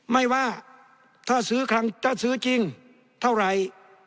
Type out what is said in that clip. ไม่ว่าถ้าซื้อจริงเท่าไหร่